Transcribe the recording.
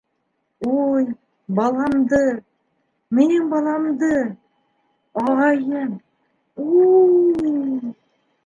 - Уй-й... баламды... минең баламды... ағайым... уй-й-й...